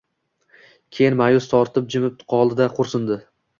Keyin ma’yus tortib jimib qoldida, xo‘rsindi.